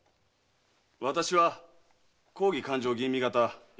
私は公儀勘定吟味方石崎逸馬。